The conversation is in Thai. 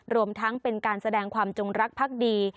รวมทั้งเป็นการแสดงความจงรักภักดี